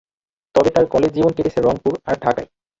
তবে তার কলেজ জীবন কেটেছে রংপুর আর ঢাকায়।